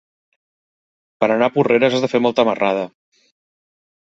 Per anar a Porreres has de fer molta marrada.